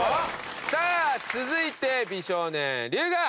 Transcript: さあ続いて美少年龍我。